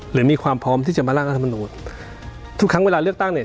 หรือมีความพร้อมที่จะมาร่างรัฐมนูลทุกครั้งเวลาเลือกตั้งเนี่ย